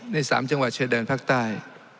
ในสามจังหวัดเฉยแดนภาคใต้